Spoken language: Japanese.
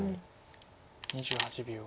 ２８秒。